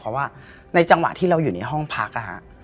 เพราะว่าในจังหวะที่เราอยู่ในห้องพักนะฮะ